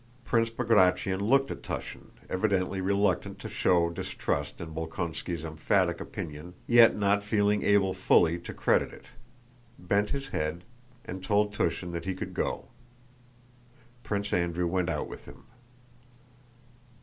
Prince Bagratión looked at Túshin, evidently reluctant to show distrust in Bolkónski's emphatic opinion yet not feeling able fully to credit it, bent his head, and told Túshin that he could go. Prince Andrew went out with him.